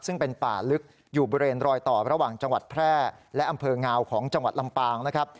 ซึ่งเป็นป่าลึกอยู่บริเวณรอยต่อระหว่างจังหวัดแพร่และอำเภองาวของจังหวัดลำปางนะครับ